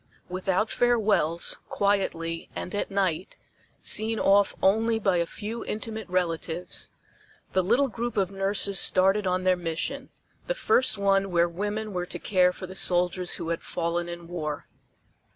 Without farewells, quietly and at night, seen off only by a few intimate relatives, the little group of nurses started on their mission the first one where women were to care for the soldiers who had fallen in war.